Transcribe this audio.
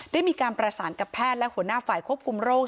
ได้มีการประสานกับแพทย์และหัวหน้าฝ่ายควบคุมโรค